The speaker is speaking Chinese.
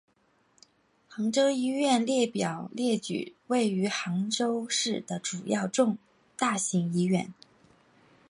杭州医院列表列举位于杭州市的主要大型医院。